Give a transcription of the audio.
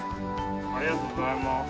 ありがとうございます。